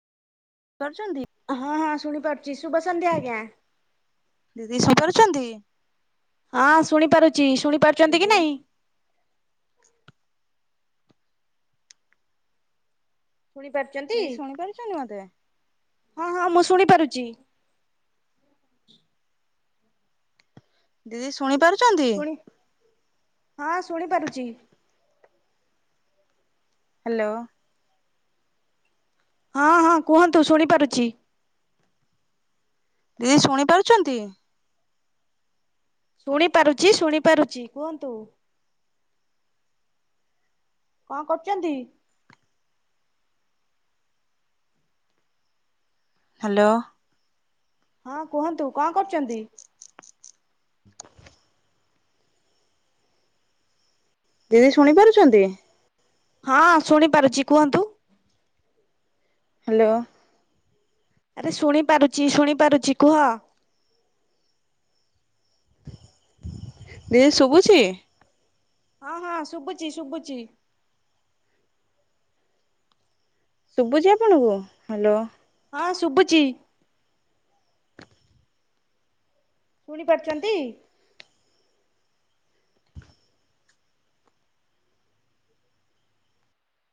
କରଚନ୍ତି। ହଁ ହଁ ଶୁଣିପାରୁଚି ଶୁଭ ସନ୍ଧ୍ୟା ଆଜ୍ଞା। ଦିଦି ଶ ପାରୁଛନ୍ତି। ହଁ ଶୁଣିପାରୁଚି ଶୁଣିପାରୁଚନ୍ତି ଦିଦି କି ନାଇଁ? ଶୁଣି ପାରୁଚନ୍ତି ଦିଦି ଶୁଣି ପାରୁଛନ୍ତି ମତେ ହଁ ହଁ ମୁଁ ଶୁଣିପାରୁଚି। ଦିଦି ଶୁଣି ପାରୁଚନ୍ତି ଶୁଣି ହଁ ଶୁଣି ପାରୁଚି। ହାଲୋ। ହଁ ହଁ କୁହନ୍ତୁ ଶୁଣିପାରୁଚି। ଦିଦି ଶୁଣି ପାରୁଚନ୍ତି ଶୁଣି ପାରୁଚି ଶୁଣି ପାରୁଚି କୁହନ୍ତୁ। ଙ୍କ କରୁଚନ୍ତି? ହାଲୋ। ହଁ କୁହନ୍ତୁ ଙ୍କ କରୁଚନ୍ତି? ଦିଦି ଶୁଣି ପାରୁଚନ୍ତି ହଁ ଶୁଣିପାରୁଚି କୁହନ୍ତୁ। ହାଲୋ। ଆରେ ଶୁଣିପାରୁଚି ଶୁଣିପାରୁଚି କୁହ। ଦିଦି ଶୁଭୁଚି ହଁ ହଁ ଶୁବୁଚି ଶୁବୁଚି। ଶୁବୁଚି ଆପଣଙ୍କୁ ହାଲୋ। ହଁ ଶୁବୁଚି। ଶୁଣି ପାରୁଚନ୍ତି